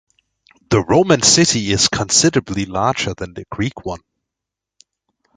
The Roman city is considerably larger than the Greek one.